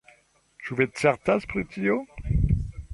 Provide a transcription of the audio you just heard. Ĉu vi certas pri tio?